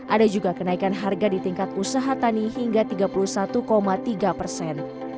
ada juga kenaikan harga di tingkat usaha tani hingga tiga puluh satu tiga persen